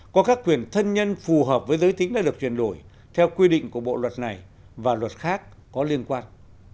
có các quyền thân nhân phù hợp với giới tính đã được chuyển đổi theo quy định của bộ luật này và luật khác có liên quan